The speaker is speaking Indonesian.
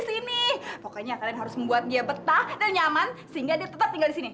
sini pokoknya kalian harus membuat dia betah dan nyaman sehingga dia tetap tinggal di sini